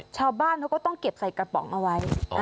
ชาวบ้านเขาก็ต้องเก็บใส่กระป๋องเอาไว้